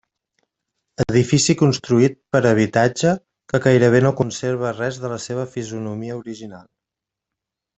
Edifici construït per a habitatge, que gairebé no conserva res de la seva fisonomia original.